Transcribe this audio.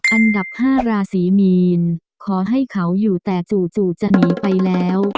อันดับ๕ราศีมีนขอให้เขาอยู่แต่จู่จะหนีไปแล้ว